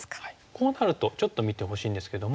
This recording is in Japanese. こうなるとちょっと見てほしいんですけども。